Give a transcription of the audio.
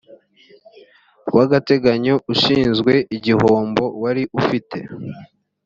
w agateganyo ushinzwe igihombo wari ufite